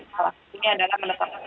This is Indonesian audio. salah satunya adalah menetap